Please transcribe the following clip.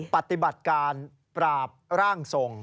ปฏิบัติการปราบร่างทรง